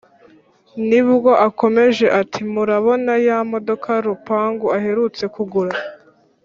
ni bwo akomeje ati "murabona ya modoka rupangu aherutse kugura: